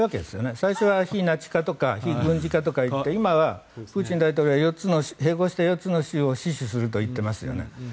最初は非ナチ化とか非軍事化とか言って今はプーチン大統領は４つの併合した州を死守するといっていますよね。